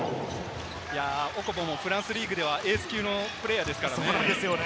オコボもフランスリーグではエース級のプレーヤーですからね。